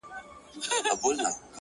يار ژوند او هغه سره خنـديږي،